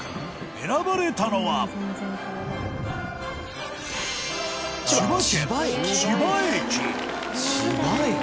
選ばれたのは田中：千葉駅？